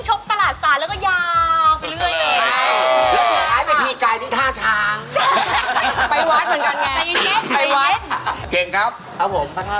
ชัดบ้อยตลอดทั้งเส้นเลยนะคะ